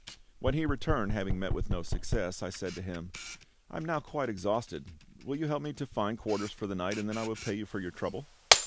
When he returned, having met with no success, I said to him, "I am now quite exhausted: will you help me to find quarters for the night, and then I will pay you for your trouble?"